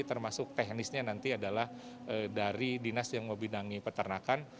termasuk teknisnya nanti adalah dari dinas yang membidangi peternakan